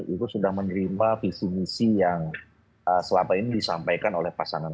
itu sudah menerima visi misi yang selama ini disampaikan oleh pasangan